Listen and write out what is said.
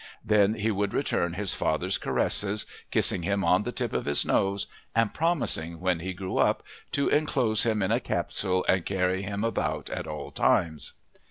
Then he would return his father's caresses, kissing him on the tip of his nose and promising when he grew up "to enclose him in a capsule and carry him about at all times!"